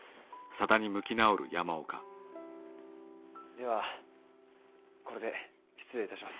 ではこれで失礼いたします。